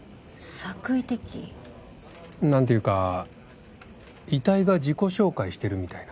作為的？なんていうか遺体が自己紹介してるみたいな。